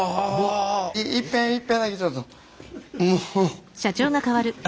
いっぺんいっぺんだけちょっと。